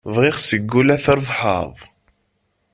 Bɣiɣ seg wul ad trebḥeḍ!